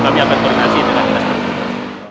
kami akan koordinasi dengan kira kira